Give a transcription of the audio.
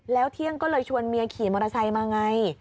แล้วเที่ยงก็เลยชวนเมียขี่มอเตอร์ไซค์มาไง